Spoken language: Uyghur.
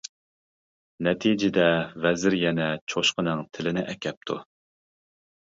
نەتىجىدە ۋەزىر يەنە چوشقىنىڭ تىلىنى ئەكەپتۇ.